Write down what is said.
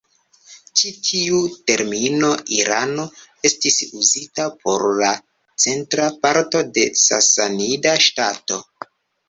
Ĉi tiu termino "Irano" estis uzita por la centra parto de Sasanida ŝtato.